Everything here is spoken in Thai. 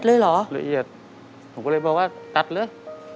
อเรนนี่ต้องมีวัคซีนตัวหนึ่งเพื่อที่จะช่วยดูแลพวกม้ามและก็ระบบในร่างกาย